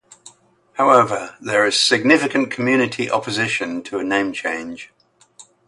However, there is significant community opposition to a name change.